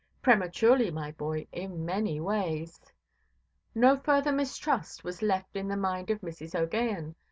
Prematurely, my boy, in many ways. No further mistrust was left in the mind of Mrs. OʼGaghan.